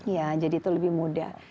ya jadi itu lebih mudah